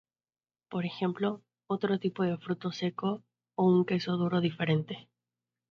Por ejemplo, otro tipo de fruto seco o un queso duro diferente.